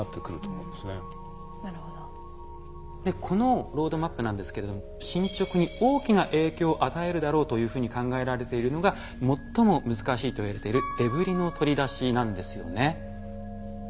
このロードマップなんですけれども進捗に大きな影響を与えるだろうというふうに考えられているのが最も難しいといわれているデブリの取り出しなんですよね。